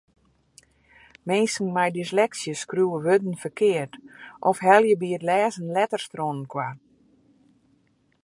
Minsken mei dysleksy skriuwe wurden ferkeard of helje by it lêzen letters trochinoar.